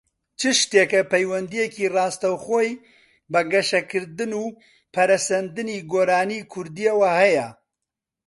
چ شتێکە پەیوەندییەکی ڕاستەوخۆی بە گەشەکردن و پەرەسەندنی گۆرانیی کوردییەوە هەیە؟